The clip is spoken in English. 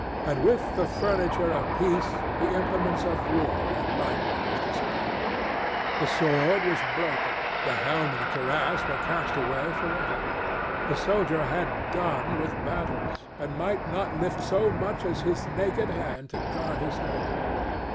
And with the furniture of peace the implements of war had likewise disappeared; the sword was broken, the helm and cuirass were cast away for ever: the soldier had done with battles, and might not lift so much as his naked hand to guard his head.